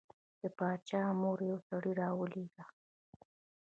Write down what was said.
د باچا مور یو سړی راولېږه.